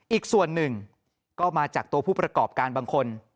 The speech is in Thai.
อีกส่วนหนึ่งก็มาจากตัวผู้ประกอบการบางคน